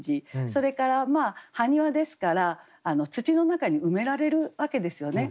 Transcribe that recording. それから埴輪ですから土の中に埋められるわけですよね。